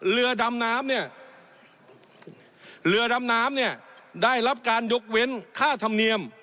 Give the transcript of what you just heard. เรือดำน้ำเนี่ยเรือดำน้ำเนี่ยได้รับการยกเว้นค่าธรรมเนียม